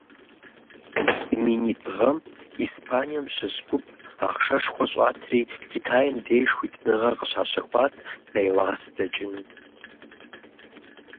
Минитӏ гъэм Испанием щыщ гуп ахъшэшхуэ щӀатри Китайм деж хуитыныгъэ къыщащэхуат Кайлас дэкӀыну.